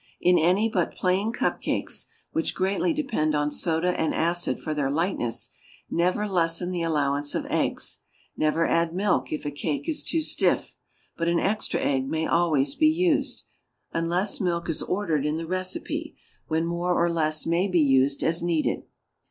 In any but plain cup cakes (which greatly depend on soda and acid for their lightness) never lessen the allowance of eggs; never add milk if a cake is too stiff (but an extra egg may always be used), unless milk is ordered in the recipe, when more or less may be used as needed.